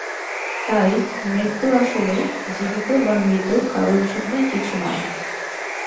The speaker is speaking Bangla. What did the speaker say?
তাই মৃত্যু আসলে জীবিত বা মৃত কারোর জন্যই কিছু না।